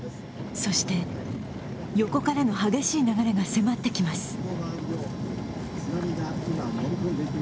そして、横からの激しい流れが迫ってきます。